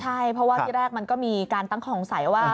ใช่เพราะว่าที่แรกมันก็มีการตั้งข้อสงสัยว่า